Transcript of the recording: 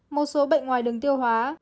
một số bệnh ngoài đường tiêu hóa